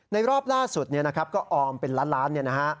ในรอบล่าสุดก็ออมเป็นล้านล้าน